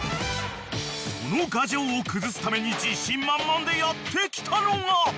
［その牙城を崩すために自信満々でやって来たのが！］